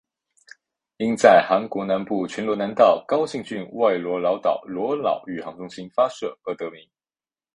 因在韩国南部全罗南道高兴郡外罗老岛罗老宇航中心发射而得名。